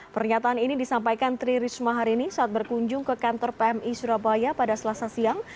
pernyataan ini disampaikan tri risma hari ini saat berkunjung ke kantor pmi surabaya pada selasa siang